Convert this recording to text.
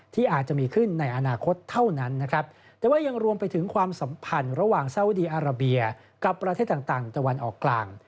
ที่อาจจะมีขึ้นในอนาคตเท่านั้นนะครับแต่ว่ายังรวมไปถึงความสัมพันธ์ระหว่างสาวดีอาราเบียกับประเทศต่างตะวันออกกลาง